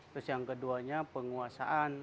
terus yang keduanya penguasaan